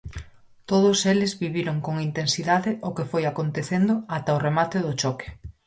Todos eles viviron con intensidade o que foi acontecendo ata o remate do choque.